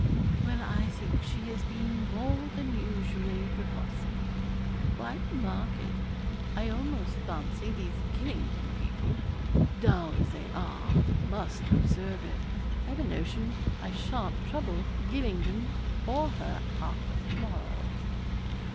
'Well, I think she has been more than usually repulsive quite marked; I almost fancy these Gylingden people, dull as they are, must observe it. I have a notion I sha'n't trouble Gylingden or her after to morrow.'